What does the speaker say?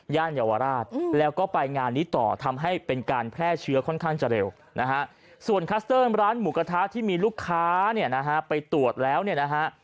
เยาวราชแล้วก็ไปงานนี้ต่อทำให้เป็นการแพร่เชื้อค่อนข้างจะเร็วนะฮะส่วนคัสเตอร์ร้านหมูกระทะที่มีลูกค้าเนี่ยนะฮะไปตรวจแล้วเนี่ยนะฮะ